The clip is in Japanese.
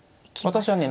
私はね